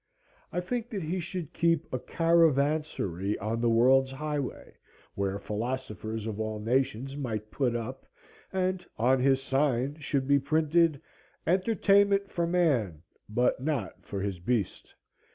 I think that he should keep a caravansary on the world's highway, where philosophers of all nations might put up, and on his sign should be printed, "Entertainment for man, but not for his beast.